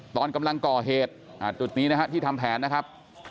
ตอนกำลังก่อเหตุจุดนี้นะฮะที่ทำแผนนะครับ